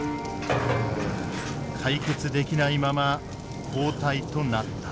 解決できないまま交代となった。